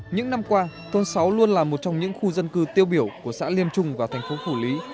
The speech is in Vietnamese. những năm qua thôn sáu luôn là một trong những khu dân cư tiêu biểu của xã liêm trung và thành phố phủ lý